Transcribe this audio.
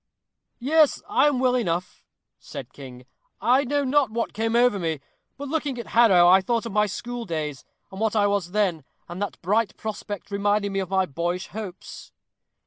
"Yes, I am well enough," said King; "I know not what came over me, but looking at Harrow, I thought of my school days, and what I was then, and that bright prospect reminded me of my boyish hopes."